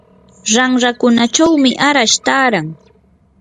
ranrakunachawmi arash taaran.